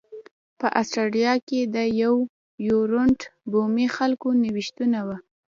په اسټرالیا کې د یر یورونټ بومي خلکو نوښتونه و